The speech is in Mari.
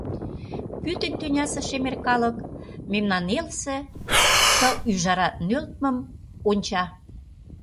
Пӱтынь тӱнясе шемер калык мемнан элысе ты ӱжара нӧлтмым онча!